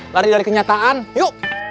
lari dari kenyataan yuk